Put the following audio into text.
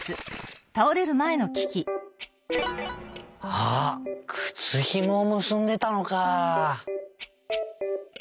あっくつひもをむすんでたのか！